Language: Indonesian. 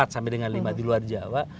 empat sampai dengan lima di luar jawa